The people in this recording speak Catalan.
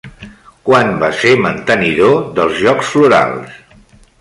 Quan va ser mantenidor dels Jocs Florals?